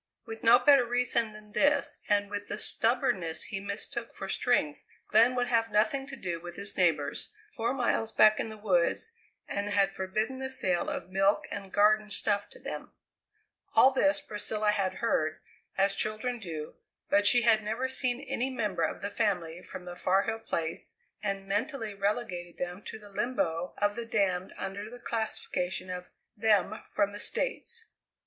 With no better reason than this, and with the stubbornness he mistook for strength, Glenn would have nothing to do with his neighbours, four miles back in the woods, and had forbidden the sale of milk and garden stuff to them. All this Priscilla had heard, as children do, but she had never seen any member of the family from the Far Hill Place, and mentally relegated them to the limbo of the damned under the classification of "them, from the States."